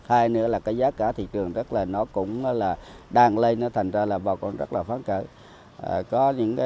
hai nữa là cái giá cá thị trường rất là nó cũng là đàn lây nó thành ra là bà con rất là phán cỡ